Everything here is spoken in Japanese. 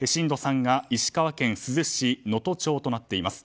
震度３が石川県珠洲市能登町となっています。